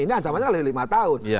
ini ancamannya lebih lima tahun